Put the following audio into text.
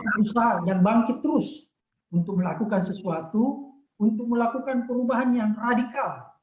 berusaha dan bangkit terus untuk melakukan sesuatu untuk melakukan perubahan yang radikal